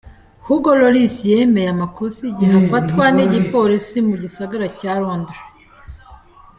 Hugo Lloris yemeye amakosa igihe afatwa n'igipolisi mu gisagara ca Londres.